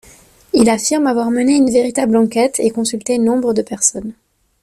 Il affirme avoir mené une véritable enquête et consulté nombre de personnes.